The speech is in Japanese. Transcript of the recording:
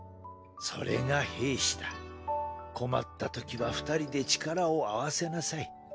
それが困ったときは二人で力を合わせなさい。